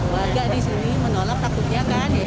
warga di sini menolak takutnya kan